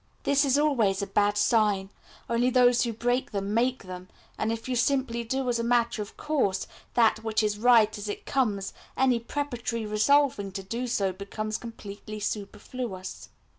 This is always a bad sign, only those who break them make them; and if you simply do as a matter of course that which is right as it comes, any preparatory resolving to do so becomes completely superfluous.